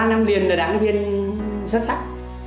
ba năm liền là đảng viên xuất sắc